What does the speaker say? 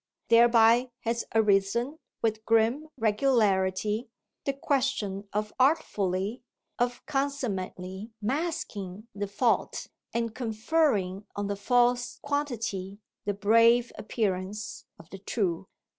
Thereby has arisen with grim regularity the question of artfully, of consummately masking the fault and conferring on the false quantity the brave appearance of the true.